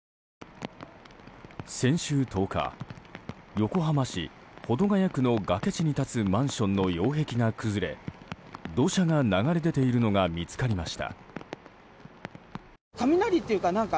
先週１０日横浜市保土ケ谷区の崖地に立つマンションの擁壁が崩れ土砂が流れ出ているのが見つかりました。